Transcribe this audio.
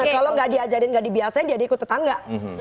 kalau gak diajarin gak dibiasain dia diikut tetangga